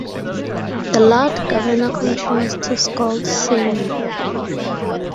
The Lord Governor continues to scold Celio.